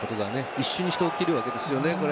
一瞬にして起きるわけです。